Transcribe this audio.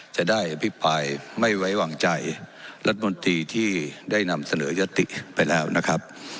จะได้อภิปรายไม่ไว้วางใจรัฐมนตรีที่ได้นำเสนอยติไปแล้วนะครับ